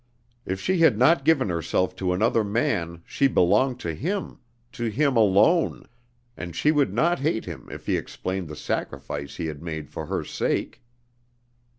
If she had not given herself to another man she belonged to him, to him alone, and she would not hate him if he explained the sacrifice he had made for her sake.